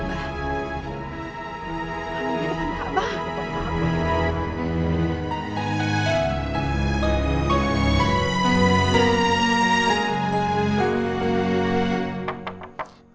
hamidah di depan kaabah